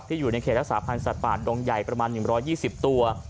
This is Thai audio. อยู่ในเขตรักษาพันธ์สัตว์ป่าดงใหญ่ประมาณ๑๒๐ตัว